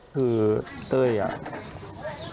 คือเต้ยอ่ะ